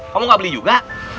kamu gak beli juga